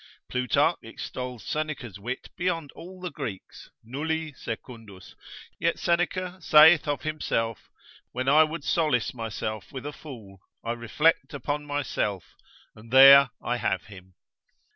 Plutarch extols Seneca's wit beyond all the Greeks, nulli secundus, yet Seneca saith of himself, when I would solace myself with a fool, I reflect upon myself, and there I have him.